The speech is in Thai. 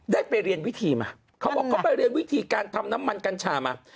ได้ไปเรียนวิธีมาเขาบอกเขาไปเรียนวิธีการทำน้ำมันกัญชามา